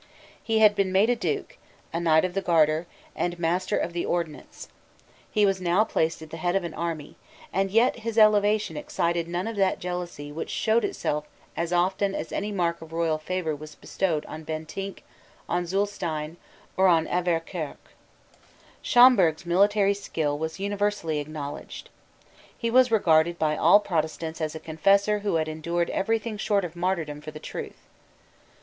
He had been made a Duke, a Knight of the Garter, and Master of the Ordnance: he was now placed at the head of an army: and yet his elevation excited none of that jealousy which showed itself as often as any mark of royal favour was bestowed on Bentinck, on Zulestein, or on Auverquerque. Schomberg's military skill was universally acknowledged. He was regarded by all Protestants as a confessor who had endured every thing short of martyrdom for the truth.